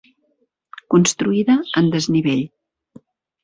Construïda en desnivell.